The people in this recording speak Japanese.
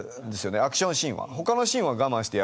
アクションシーンは。